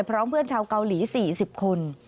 พร้อมเพื่อนชาวเกาหลี๔๐คน